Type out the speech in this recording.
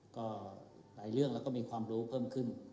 ก็หลายเรื่องแล้วก็มีความรู้เพิ่มขึ้น